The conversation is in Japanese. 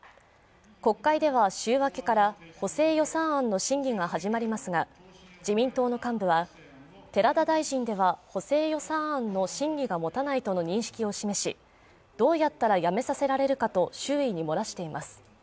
国会では週明けから補正予算案の審議が始まりますが自民党の幹部は、寺田大臣では補正予算案の審議がもたないとの認識を示し、どうやったら辞めさせられるかと周囲に漏らしています。